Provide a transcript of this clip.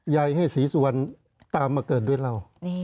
ใหญ่ให้ศรีสุวรรณตามมาเกินด้วยเรา